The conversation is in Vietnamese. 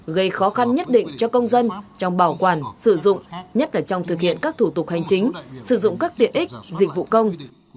gây khó khăn nhất định cho công dân trong bảo quản sử dụng nhất là trong thực hiện các thủ tục hành chính sử dụng các tiện ích dịch vụ công